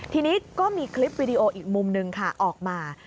ทีนี้ก็มีคลิปวิดีโออีกมุมหนึ่งค่ะออกมา